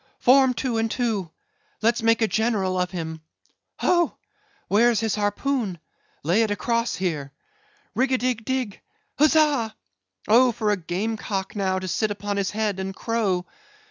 "Form two and two! Let's make a General of him! Ho, where's his harpoon? Lay it across here.—Rig a dig, dig, dig! huzza! Oh for a game cock now to sit upon his head and crow!